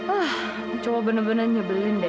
ah coba benar benarnya beliin deh